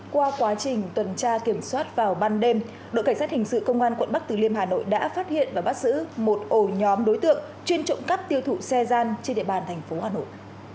qua quá trình tuần tra kiểm soát vào ban đêm đội cảnh sát hình sự công an quận bắc từ liêm hà nội đã phát hiện và bắt giữ một ổ nhóm đối tượng chuyên trộm cắp tiêu thụ xe gian trên địa bàn thành phố hà nội